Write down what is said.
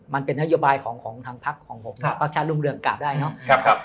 มันเป็นนโยบายของทางพักของผมพักชาติรุ่งเรืองกราบได้เนาะ